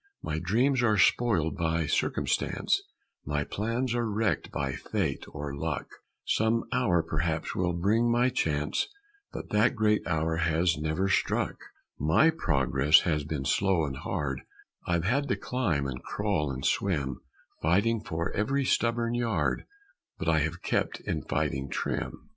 My dreams are spoiled by circumstance, My plans are wrecked by Fate or Luck; Some hour, perhaps, will bring my chance, But that great hour has never struck; My progress has been slow and hard, I've had to climb and crawl and swim, Fighting for every stubborn yard, But I have kept in fighting trim.